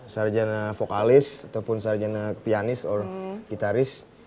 sarjana vokalis ataupun sarjana pianis or gitaris